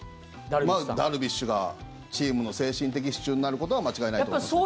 ダルビッシュがチームの精神的支柱になることは間違いないと思いますね。